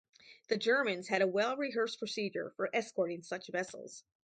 The Germans had a well-rehearsed procedure for escorting such vessels.